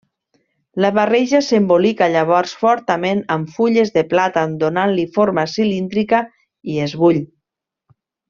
La barreja s'embolica llavors fortament amb fulles de plàtan donant-li forma cilíndrica i es bull.